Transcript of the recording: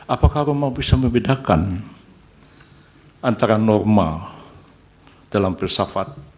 apakah roma bisa membedakan antara norma dalam filsafat